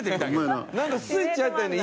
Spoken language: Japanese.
なんかスイッチ入ったよね